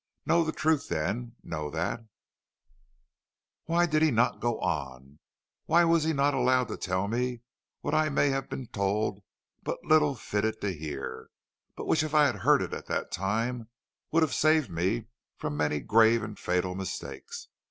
Know the truth then; know that ' "Why did he not go on? Why was he not allowed to tell me what I may have been but little fitted to hear, but which if I had heard it at that time would have saved me from many grave and fatal mistakes.